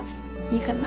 いいかな？